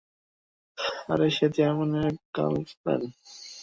আরে সে চেয়ারম্যানের গার্লফ্রেন্ড।